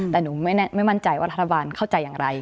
แต่หนูไม่มั่นใจว่ารัฐบาลเข้าใจอย่างไร